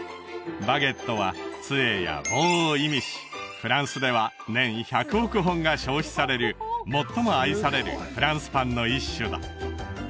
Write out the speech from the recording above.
バゲットはつえや棒を意味しフランスでは年１００億本が消費される最も愛されるフランスパンの一種だ